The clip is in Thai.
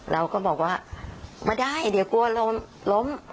เราก็บอกว่าไม่ได้เดี๋ยวกลัวล้มล้ม